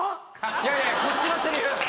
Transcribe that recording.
いやいやこっちのセリフ。